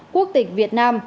quốc tịch việt nam